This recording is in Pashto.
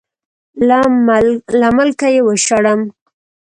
له ملکه یې وشړم.